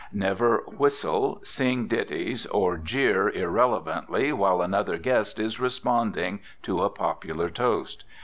Never whistle, sing ditties, or jeer irrelevantly while another guest is responding to a popular toast.